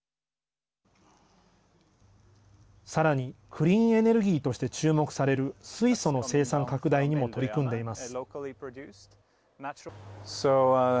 さらにクリーンエネルギーとして注目される水素の生産拡大にも取り組んでいます。